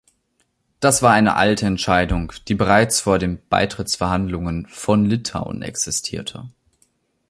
Das war eine alte Entscheidung, die bereits vor den Beitrittsverhandlungen von Litauen existierte.